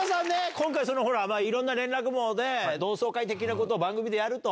今回いろんな連絡網で同窓会的なことを番組でやると。